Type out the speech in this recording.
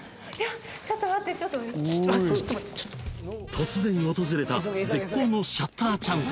突然訪れた絶好のシャッターチャンス！